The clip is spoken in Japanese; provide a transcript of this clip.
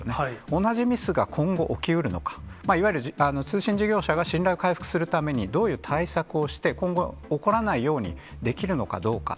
同じミスが今後、起きうるのか、いわゆる通信事業者が信頼を回復するためにどういう対策をして、今後、起こらないようにできるのかどうか。